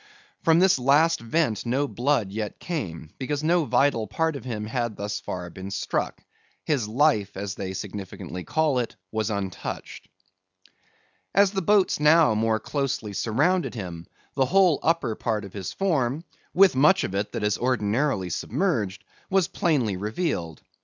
From this last vent no blood yet came, because no vital part of him had thus far been struck. His life, as they significantly call it, was untouched. As the boats now more closely surrounded him, the whole upper part of his form, with much of it that is ordinarily submerged, was plainly revealed.